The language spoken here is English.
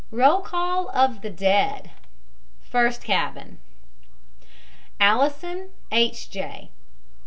ROLL OF THE DEAD FIRST CABIN ALLISON, H. J.